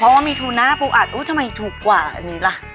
เพราะว่ามีทูน่าปูอัดอุ้ยทำไมถูกกว่าอันนี้ล่ะ